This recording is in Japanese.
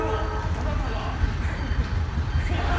ただただ。